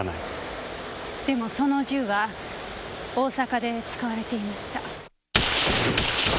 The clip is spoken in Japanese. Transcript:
でもその銃は大阪で使われていました。